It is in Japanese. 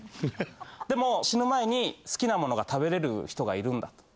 「でも死ぬ前に好きなものが食べれる人がいるんだ」と。